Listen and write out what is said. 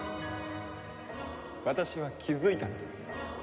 私は気づいたのです。